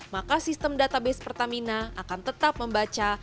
maka sistem database pertamina akan tetap membaca